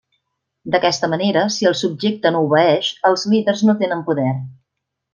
D'aquesta manera, si el subjecte no obeeix, els líders no tenen poder.